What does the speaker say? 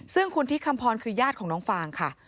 ซึ่งคุณทิศคำพรคือญาติของน้องฟางค่ะ